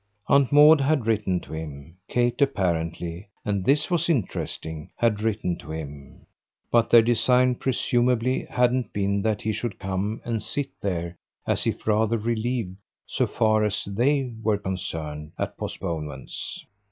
Aunt Maud had written to him, Kate apparently and this was interesting had written to him; but their design presumably hadn't been that he should come and sit there as if rather relieved, so far as THEY were concerned, at postponements.